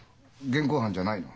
現行犯じゃないの？